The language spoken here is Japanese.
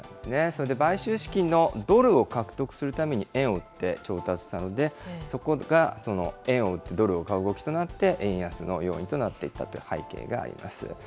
それで買収資金のドルを獲得するために円を売って調達したので、そこが円を売ってドルを買う動きとなって、円安の要因となっていたという背景があります。